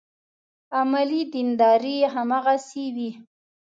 عملي دینداري هماغسې وي.